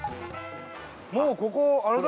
もうここあれだ。